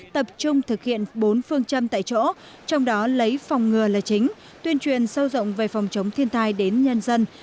tập trung thực hiện bốn phương châm tại chỗ trong đó lấy phòng ngừa là chính tuyên truyền sâu rộng về phòng chống thiên tai đến nhân dân